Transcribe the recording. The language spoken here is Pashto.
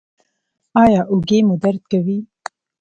ایا اوږې مو درد کوي؟